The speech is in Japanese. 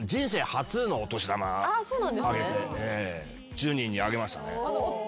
１０人にあげましたね。